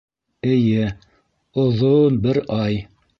Эйе, о-о-оҙон бер ай.